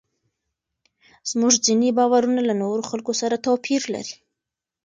زموږ ځینې باورونه له نورو خلکو سره توپیر لري.